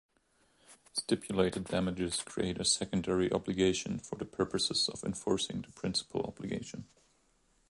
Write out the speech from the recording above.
Stipulated damages create a secondary obligation for the purpose of enforcing the principal obligation.